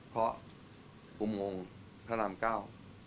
เพราะอุโมงพระรามเก้า